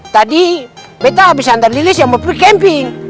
tadi beta abis antar lilis yang mau pre camping